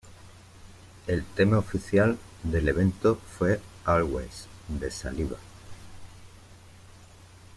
El tema oficial del evento fue ""Always"" de Saliva.